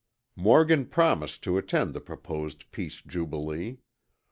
Morgan promised to attend the proposed peace jubilee.